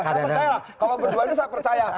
saya percaya lah kalau berdua itu saya percaya